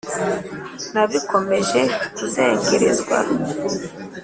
nabikomeje kuzengerezwa,